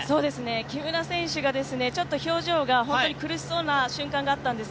木村選手が表情が苦しそうな瞬間があったんです。